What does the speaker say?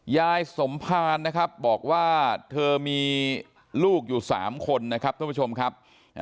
ยายสมภารนะครับบอกว่าเธอมีลูกอยู่๓คนนะครับท่านผู้ชมครับ